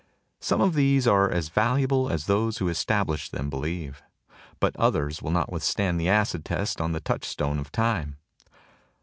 Some of these are as valuable as those who established them believe; but others will not withstand the acid test on the touchstone of time.